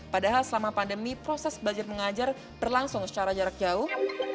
padahal selama pandemi proses belajar mengajar berlangsung secara jarak jauh